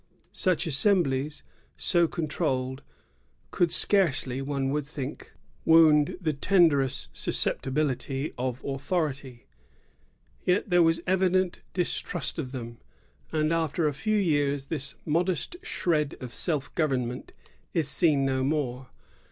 "^ Such assemblies, so controlled, could scarcely, one would think, wound the tenderest susceptibilities of author ity; yet there was evident distrust of them, and after a few years this modest shred of self government is seen no more.